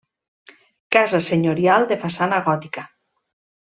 Casa senyorial de façana gòtica.